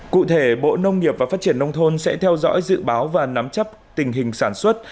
cụ thể bộ nông nghiệp và phát triển nông thôn sẽ theo dõi dự báo và nắm chấp tình hình sản xuất